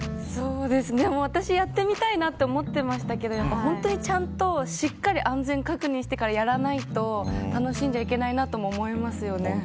私やってみたいなと思ってましたけど本当に、ちゃんとしっかり安全確認してからやらないと楽しんじゃいけないなとも思いますね。